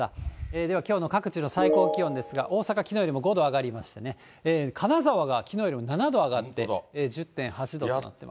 ではきょうの各地の最高気温ですが、大阪、きのうよりも５度上がりましてね、金沢がきのうよりも７度上がって１０．８度となってます。